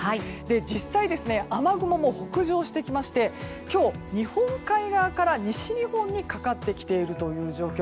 実際、雨雲も北上してきまして今日、日本海側から西日本にかかってきている状況。